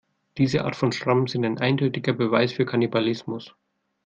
Diese Art von Schrammen sind ein eindeutiger Beweis für Kannibalismus.